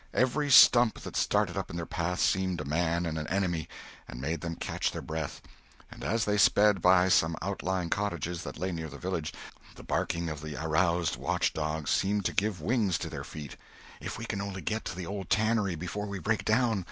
Every stump that started up in their path seemed a man and an enemy, and made them catch their breath; and as they sped by some outlying cottages that lay near the village, the barking of the aroused watch dogs seemed to give wings to their feet. "If we can only get to the old tannery before we break down!"